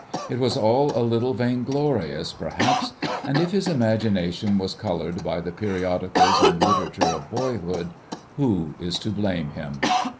It was all a little vainglorious, perhaps; and if his imagination was coloured by the periodicals and literature of boyhood, who is to blame him?